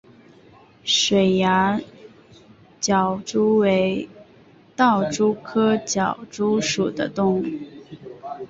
水涯狡蛛为盗蛛科狡蛛属的动物。